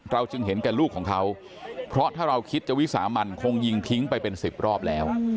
จึงเห็นแก่ลูกของเขาเพราะถ้าเราคิดจะวิสามันคงยิงทิ้งไปเป็น๑๐รอบแล้ว